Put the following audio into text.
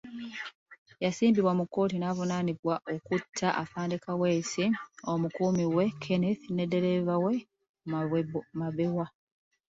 Yasimbibwa mu kkooti n'avunaanibwa okutta Afande Kaweesi, Omukuumi we Kenneth ne ddereeva we Mambewa.